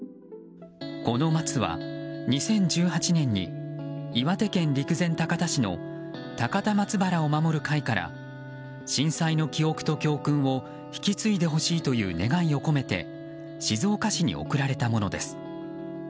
この松は、２０１８年に岩手県陸前高田市の高田松原を守る会から震災の記憶と教訓を引き継いでほしいという願いを込めて静岡市に贈られたものです。